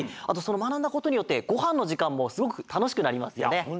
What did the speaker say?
あとそのまなんだことによってごはんのじかんもすごくたのしくなりますよね。